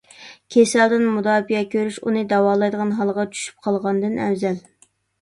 كېسەلدىن مۇداپىئە كۆرۈش، ئۇنى داۋالايدىغان ھالغا چۈشۈپ قالغاندىن ئەۋزەل.